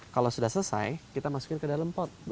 kalau sudah selesai kita masukin ke dalam pot